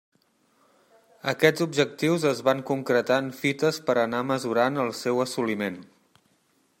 Aquests objectius es van concretar en fites per anar mesurant el seu assoliment.